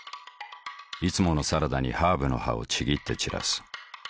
いつものサラダにハーブの葉をちぎって散らす。